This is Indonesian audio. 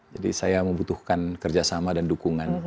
jadi saya membutuhkan kerjasama dan dukungan